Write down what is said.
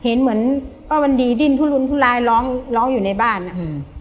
เห็นเหมือนป้าวันดีดิ้นทุลุนทุลายร้องร้องอยู่ในบ้านอ่ะอืม